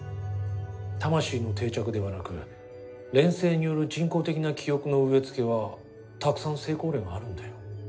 魂の定着ではなく錬成による人工的な記憶の植え付けはたくさん成功例があるんだよ